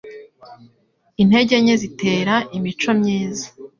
Intege nke zitera imico myiza